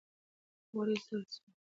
غوړي سره سول